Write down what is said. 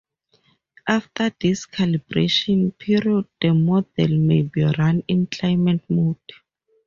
After this calibration period the model may be run in climate mode.